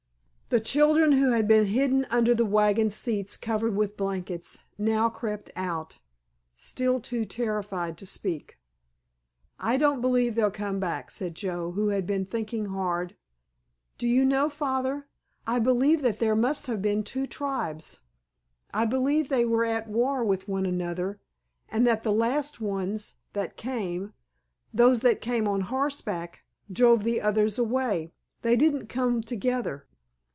The children, who had been hidden under the wagon seats covered with blankets, now crept out, still too terrified to speak. "I don't believe they'll come back," said Joe, who had been thinking hard. "Do you know, Father, I believe that there must have been two tribes. I believe they are at war with one another, and that the last ones that came—those that came on horseback—drove the others away. They didn't come together.